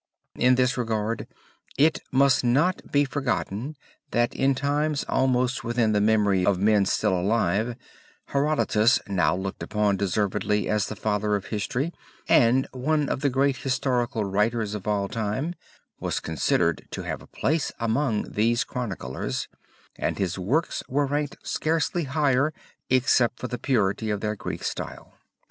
In this regard it must not be forgotten that in times almost within the memory of men still alive, Herodotus now looked upon deservedly as the Father of History and one of the great historical writers of all time, was considered to have a place among these chroniclers, and his works were ranked scarcely higher, except for the purity of their Greek style.